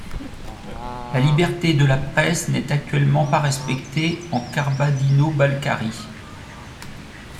La liberté de la presse n’est actuellement pas respectée en Kabardino-Balkarie.